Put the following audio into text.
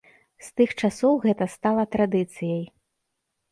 З тых часоў гэта стала традыцыяй.